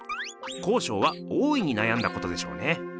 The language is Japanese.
康勝は大いになやんだことでしょうね。